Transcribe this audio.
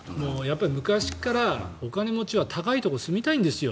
昔からお金持ちは高いところに住みたいんですよ。